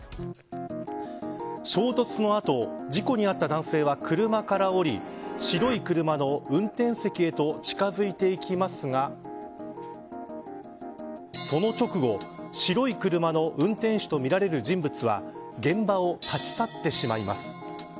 衝突の後事故に遭った男性は、車からおり白い車の運転席へと近づいていきますがその直後白い車の運転手とみられる人物は現場を立ち去ってしまいます。